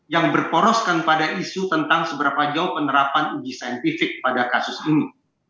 yang berporoskan pada isu tentang seberapa jauh penerapan uji saintifik pada kasus ini